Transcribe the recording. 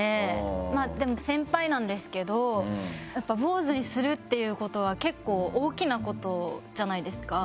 まあでも先輩なんですけどやっぱ坊主にするっていう事は結構大きな事じゃないですか。